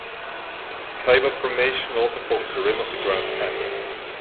The Kaibab formation also forms the rim of the Grand Canyon.